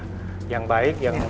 tapi pengrajinnya itu yang kurang